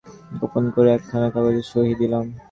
শেষকালে একদিন নীলকান্তকে গোপন করিয়া একখানা কাগজে সহি দিলাম।